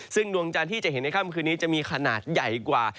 ซึ่งดวงจันทร์ที่จะเห็นในค่ำคืนนี้จะมีขนาดใหญ่กว่า